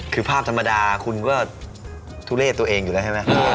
คือภาพธรรมดาคุณก็ทุเลศตัวเองอยู่แล้วใช่ไหม